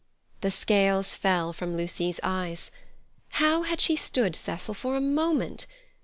The scales fell from Lucy's eyes. How had she stood Cecil for a moment?